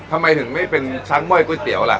ทำไมถึงไม่เป็นช้างห้อยก๋วยเตี๋ยวล่ะ